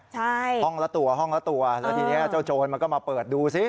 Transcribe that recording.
ใช่ห้องละตัวห้องละตัวแล้วทีนี้เจ้าโจรมันก็มาเปิดดูสิ